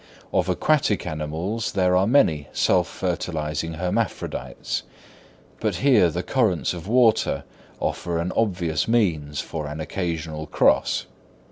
Of aquatic animals, there are many self fertilising hermaphrodites; but here the currents of water offer an obvious means for an occasional cross.